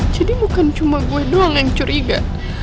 jadi bukan cuma gue doang yang curiga